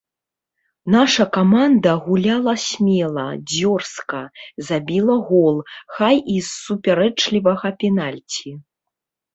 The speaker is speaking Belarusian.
Наша каманда гуляла смела, дзёрзка, забіла гол, хай і з супярэчлівага пенальці.